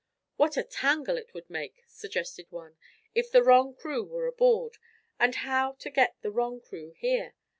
"What a tangle it would make," suggested one, "if the wrong crew were aboard. But how to get the wrong crew there?"